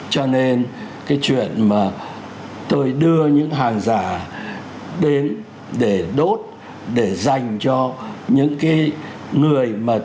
cho nên cái chuyện mà tôi đưa những hàng giả đến để đốt để dành cho những cái người mà tôi quan tâm ấy